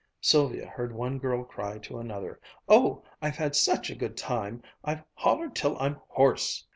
Sylvia heard one girl cry to another, "Oh, I've had such a good time! I've hollered till I'm hoarse!"